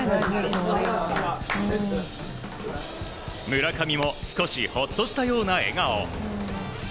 村上も少しほっとしたような笑顔。